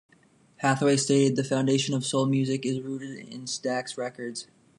Hathaway stated, The foundation of soul music is rooted in Stax Records.